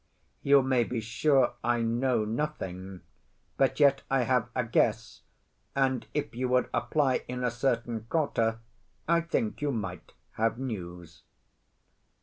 You may be sure I know nothing, but yet I have a guess, and if you would apply in a certain quarter I think you might have news."